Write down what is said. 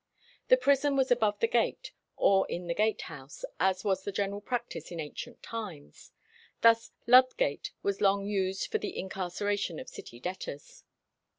The prison was above the gate, or in the gate house, as was the general practice in ancient times. Thus Ludgate was long used for the incarceration of city debtors.